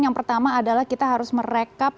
yang pertama adalah kita harus merekap